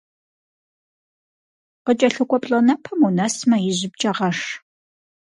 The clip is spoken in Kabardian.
Къыкӏэлъыкӏуэ плӏэнэпэм унэсмэ, ижьымкӏэ гъэш.